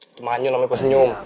itu manjur namanya gue senyum